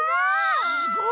すごい！